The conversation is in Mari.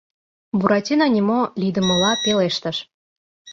Буратино нимо лийдымыла пелештыш: